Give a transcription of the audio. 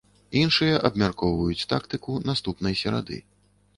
Іншыя абмяркоўваюць тактыку наступнай серады.